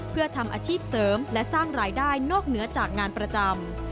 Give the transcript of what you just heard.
เพื่อทำอาชีพเสริมและสร้างรายได้นอกเหนือจากงานประจำ